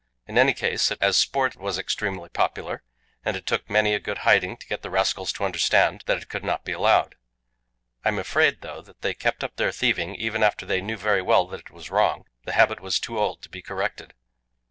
In any case, as a sport it was extremely popular, and it took many a good hiding to get the rascals to understand that it could not be allowed. I am afraid, though, that they kept up their thieving even after they knew very well that it was wrong; the habit was too old to be corrected.